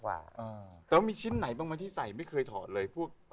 แต่ว่ามีชิ้นไหนบ้างไหมที่ใส่ไม่เคยถอดเลยพวก